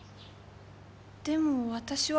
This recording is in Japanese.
でも私は。